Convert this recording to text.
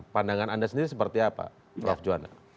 pandangan anda sendiri seperti apa prof juanda